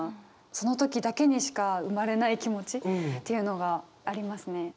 その時だけにしか生まれない気持ちっていうのがありますね。